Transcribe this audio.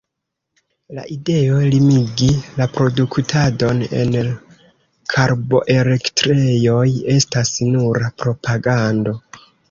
La ideo limigi la produktadon en karboelektrejoj estas nura propagando.